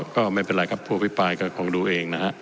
ก็ไม่เป็นไรครับผู้อภิปรายก็คงดูเองนะฮะ